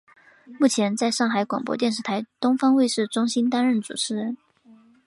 目前在上海广播电视台东方卫视中心担任主持人。